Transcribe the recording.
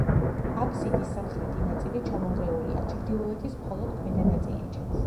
აბსიდის სამხრეთი ნაწილი ჩამონგრეულია, ჩრდილოეთის მხოლოდ ქვედა ნაწილი ჩანს.